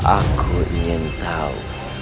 aku ingin tahu